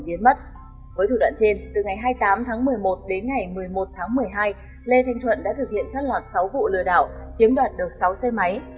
với thủ đoạn trên từ ngày hai mươi tám tháng một mươi một đến ngày một mươi một tháng một mươi hai lê thanh thuận đã thực hiện trót lọt sáu vụ lừa đảo chiếm đoạt được sáu xe máy